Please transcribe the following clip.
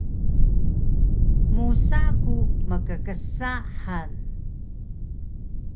musa ku mkksa han